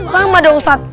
wah lama dong ustadz